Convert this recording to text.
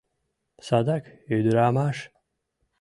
Садак ӱдырамаш.